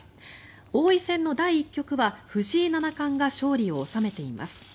王位戦の第１局は藤井七冠が勝利を収めています。